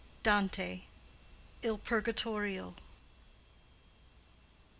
—DANTE: Il Purgatorio.